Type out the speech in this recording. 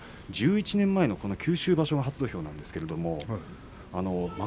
天空海、１１年前の九州場所が初土俵なんです。